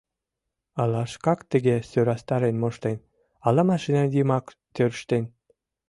Ала шкак тыге сӧрастарен моштен, ала машина йымак тӧрштен.